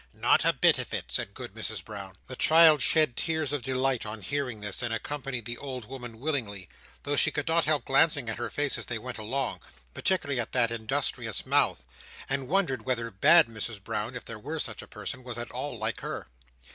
"Not a bit of it," said Good Mrs Brown. The child shed tears of delight on hearing this, and accompanied the old woman willingly; though she could not help glancing at her face as they went along—particularly at that industrious mouth—and wondering whether Bad Mrs Brown, if there were such a person, was at all like her.